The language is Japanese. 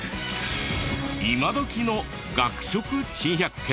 今どきの学食珍百景。